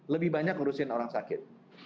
lebih banyak ngurusin orang sakit